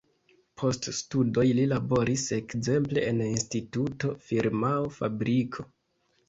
Post studoj li laboris ekzemple en instituto, firmao, fabriko.